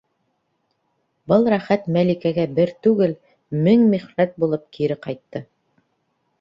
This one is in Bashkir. Был рәхәт Мәликәгә бер түгел, мең михнәт булып кире ҡайтты.